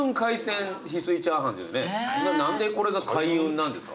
何でこれが開運なんですか？